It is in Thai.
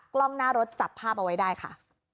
กล้องหน้ารถจับภาพเอาไว้ได้ค่ะ